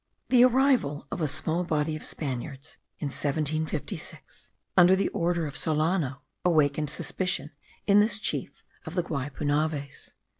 The arrival of a small body of Spaniards in 1756, under the order of Solano, awakened suspicion in this chief of the Guaypunaves.